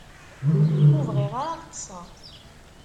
Ur bɣiɣ ara ad ṭṭseɣ.